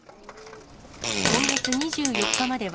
今月２４日までは、